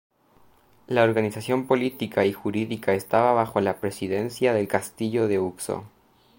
La organización política y jurídica estaba bajo la presidencia del Castillo de Uxó.